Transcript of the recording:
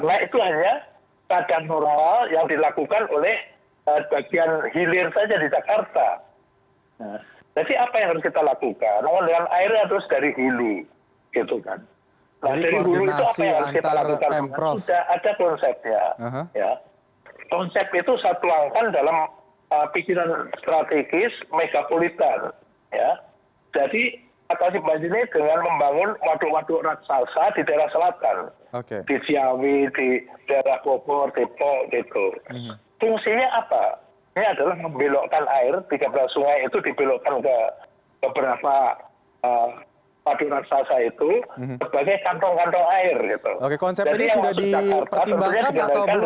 masyarakat harus bertanggung jawab juga terhadap banjir